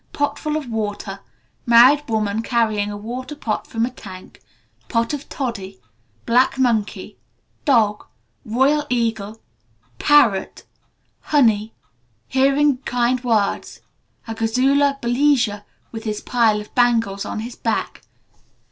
Pot full of water. Married woman carrying a water pot from a tank. Pot of toddy. Black monkey. Dog. Royal eagle. Parrot. Honey. Hearing kind words. A Gazula Balija with his pile of bangles on his back.